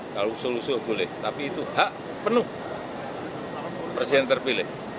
kalau solusi boleh tapi itu hak penuh presiden terpilih